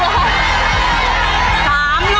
หายแล้ว